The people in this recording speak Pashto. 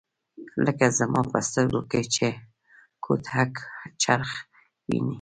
لکه زما په سترګو کې چي “ګوتهک چرچ” ویني